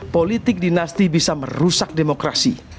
politik dinasti bisa merusak demokrasi